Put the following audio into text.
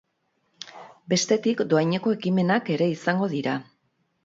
Bestetik, dohaineko ekimenak ere izango dira.